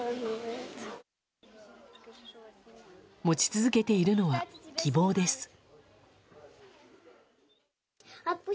持ち続けているのは希望です。